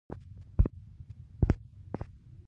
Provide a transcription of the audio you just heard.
ایا زه باید پکۍ چالانه پریږدم؟